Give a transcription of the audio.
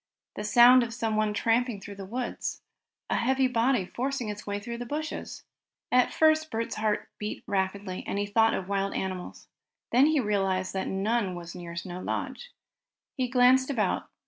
The sound of someone tramping through the woods. A heavy body forcing its way through the bushes! At first Bert's heart beat rapidly, and he thought of wild animals. Then he realized that none was near Snow Lodge. He glanced about.